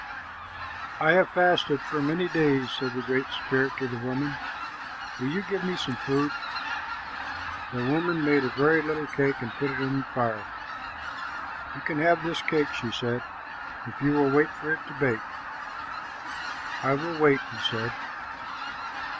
"I have fasted for many days," said the Great Spirit to the woman. "Will you give me some food?" The woman made a very little cake and put it on the fire. "You can have this cake," she said, "if you will wait for it to bake." "I will wait," he said.